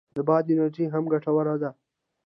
د باد انرژي هم ګټوره ده